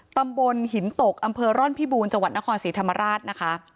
ตำบลหินตกอำเภอร่อนพิบูรณ์จังหวัดนครศรีธรรมราชนะคะ